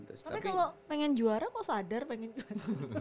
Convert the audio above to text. tapi kalau pengen juara kok sadar pengen gimana